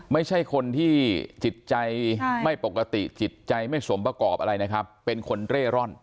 ไม่ใช่คนที่จิตใจไม่ปกติจิตใจไม่สมประกอบอะไรนะครับเป็นคนเร่ร่อน